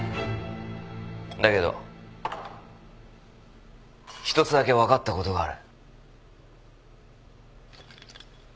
だけど１つだけ分かったことがある。